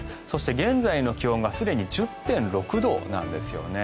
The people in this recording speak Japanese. そして現在の気温がすでに１０．６度なんです。